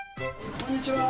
こんにちは。